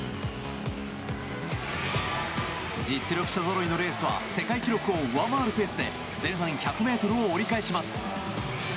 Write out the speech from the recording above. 実力者ぞろいのレースは世界記録を上回るペースで前半１００ｍを折り返します。